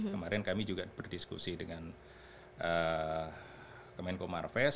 kemarin kami juga berdiskusi dengan kemenko marves